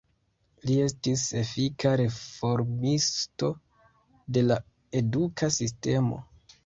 Li estis efika reformisto de la eduka sistemo.